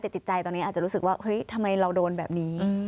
แต่จิตใจตอนนี้อาจจะรู้สึกว่าเฮ้ยทำไมเราโดนแบบนี้